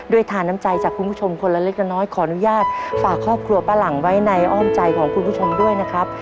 ทานน้ำใจจากคุณผู้ชมคนละเล็กละน้อยขออนุญาตฝากครอบครัวป้าหลังไว้ในอ้อมใจของคุณผู้ชมด้วยนะครับ